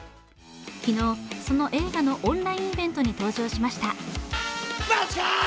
昨日、その映画のオンラインイベントに登場しました。